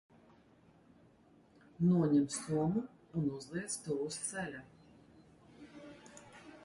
Noņem somu un uzliec to uz ceļa.